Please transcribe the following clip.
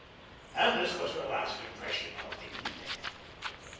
And this was her last impression of the evening.